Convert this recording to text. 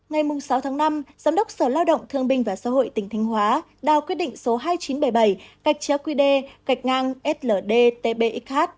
ngày sáu tháng năm giám đốc sở lao động thương binh và xã hội tỉnh thánh hóa đào quyết định số hai nghìn chín trăm bảy mươi bảy qd sld tbxh